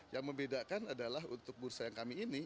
yang membedakan adalah untuk bursa yang kami ini